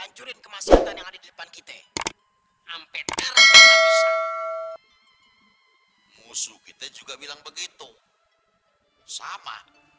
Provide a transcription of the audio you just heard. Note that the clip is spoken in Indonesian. ancurin kemas kata yang ada di depan kita sampai musuh kita juga bilang begitu sama